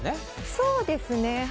そうですね。